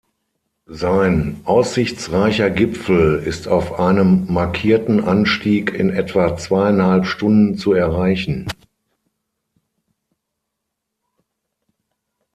Sein aussichtsreicher Gipfel ist auf einem markierten Anstieg in etwa zweieinhalb Stunden zu erreichen.